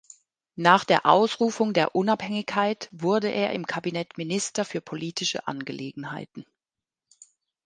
Nach der Ausrufung der Unabhängigkeit wurde er im Kabinett Minister für Politische Angelegenheiten.